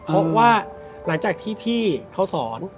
เพราะว่าหลังจากที่พี่เขาสอน